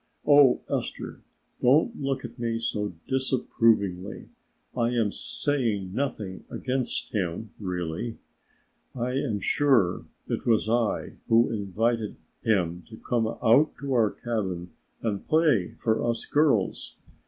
Oh, Esther, don't look at me so disapprovingly; I am saying nothing against him really. I am sure it was I who invited him to come out to our cabin and play for us girls.